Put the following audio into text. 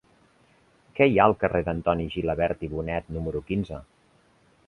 Què hi ha al carrer d'Antoni Gilabert i Bonet número quinze?